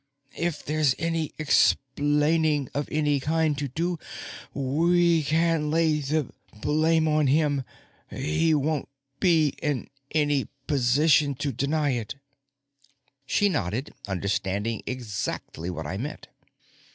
If there's any explaining of any kind to do, we can lay the blame on him. He won't be in any position to deny it." She nodded, understanding exactly what I meant.